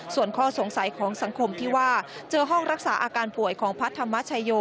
ส่วนข้อสงสัยของสังคมที่ว่าเจอห้องรักษาอาการป่วยของพระธรรมชโย